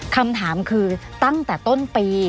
คำถามคือตั้งแต่ต้นปี